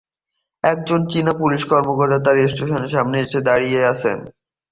একজন চীনা পুলিশ কর্মকর্তা তার স্টেশনের সামনে দাঁড়িয়ে আছেন।